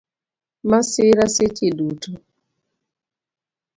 Masira seche duto